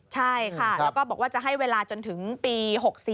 ใช่ค่ะแล้วก็บอกว่าจะให้เวลาจนถึงปี๖๔